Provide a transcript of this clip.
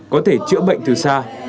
chữa bệnh từ xa